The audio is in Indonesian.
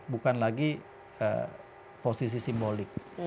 bukan lagi posisi simbolik